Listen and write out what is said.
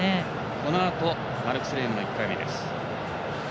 このあとマルクス・レームの１回目です。